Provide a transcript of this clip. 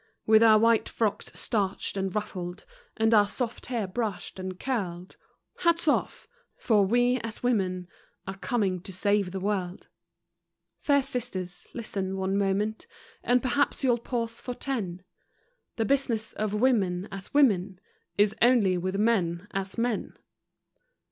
With our white frocks starched and ruffled, And our soft hair brushed and curled Hats off! for "We, as women," Are coming to save the world. Fair sisters, listen one moment And perhaps you'll pause for ten: The business of women as women Is only with men as men!